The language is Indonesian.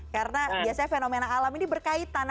karena biasanya fenomena alam ini berkaitan